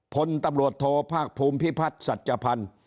พลตำรวจโทภาคภูมิพิพัฒน์สัจพันธ์